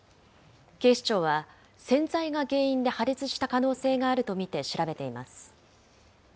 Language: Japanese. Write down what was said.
警視庁は、洗剤が原因で破裂した可能性があると見て、調べています。